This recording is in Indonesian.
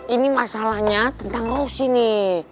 ini masalahnya tentang lo sini